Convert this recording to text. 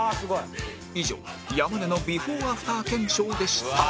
以上山根のビフォーアフター検証でした